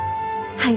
はい！